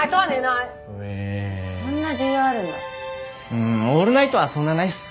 うーんオールナイトはそんなないっす。